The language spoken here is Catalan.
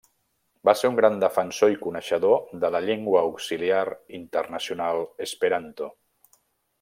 Va ser un gran defensor i coneixedor de la llengua auxiliar internacional esperanto.